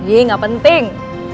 nih gak penting